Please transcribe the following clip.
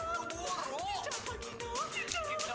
pikirkan dit jedeasnya